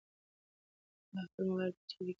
ده خپل موبایل په جیب کې کېښود.